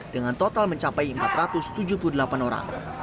dengan total mencapai empat ratus tujuh puluh delapan orang